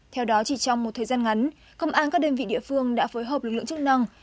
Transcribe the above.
theo đó chỉ trong một thời gian ngắn công an các đơn vị địa phương đã phối hợp lực lượng chức năng